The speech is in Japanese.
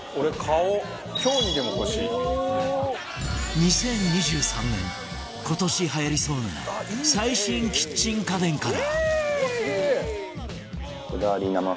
２０２３年今年はやりそうな最新キッチン家電から